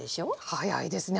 早いですね。